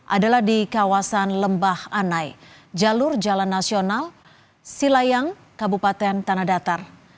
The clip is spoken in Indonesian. adalah di kawasan lembah anai jalur jalan nasional silayang kabupaten tanah datar